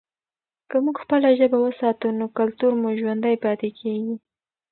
که موږ خپله ژبه وساتو نو کلتور مو ژوندی پاتې کېږي.